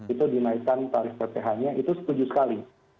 itu dinaikkan tarif pph nya itu setuju sekali